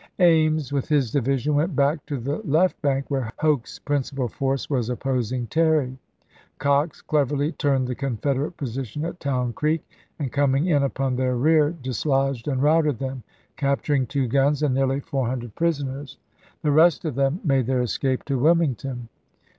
Ames, with his division, went back to the left bank, where Hoke's principal force was opposing Terry. Cox cleverly turned the Confederate position at Town Creek, and, coming in upon their rear, dis lodged and routed them, capturing two guns and nearly four hundred prisoners ; the rest of them made their escape to Wilmington.